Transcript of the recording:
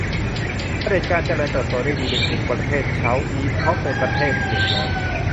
เผด็จการเจริญเติบโตได้ดีในกลุ่มประเทศเซาท์อีสต์เพราะเป็นประเทศเขตร้อน